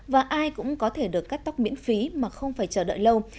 và ai cũng có thể được cắt tóc miễn phí mà không phải chờ đợi lâu